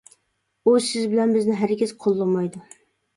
ئۇ، سىز بىلەن بىزنى ھەرگىز قوللىمايدۇ.